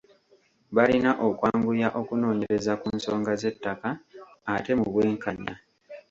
Balina okwanguya okunoonyereza ku nsonga z’ettaka ate mu bwenkanya.